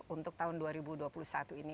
untuk tahun dua ribu dua puluh satu ini